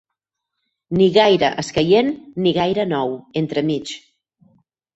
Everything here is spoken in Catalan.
Ni gaire escaient ni gaire nou, entre mig